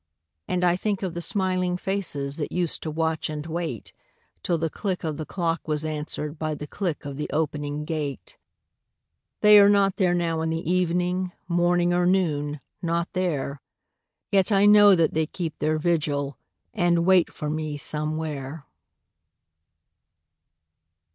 And I think of the smiling faces That used to watch and wait, Till the click of the clock was answered By the click of the opening gate. They are not there now in the evening Morning or noon not there; Yet I know that they keep their vigil, And wait for me Somewhere.